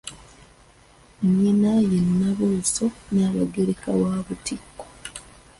Nnyina ye Nnabuuso Nnaabagereka, wa Butiko.